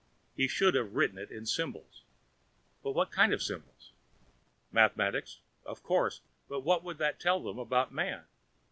He should have written it in symbols. But what kind of symbols? Mathematics? Of course, but what would that tell them about Man?